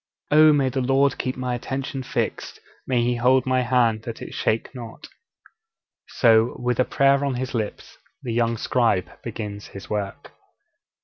'Oh, may the Lord keep my attention fixed, may He hold my hand that it shake not!' So, with a prayer on his lips, the young scribe begins his work.